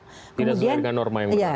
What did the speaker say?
tidak sesuai dengan norma yang mereka lakukan